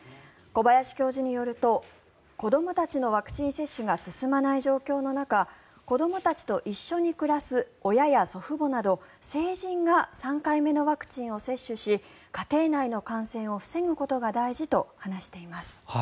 小林教授によると子どもたちのワクチン接種が進まない状況の中子どもたちと一緒に暮らす親や祖父母など成人が３回目のワクチンを接種し家庭内の感染を防ぐことが大事と話しています。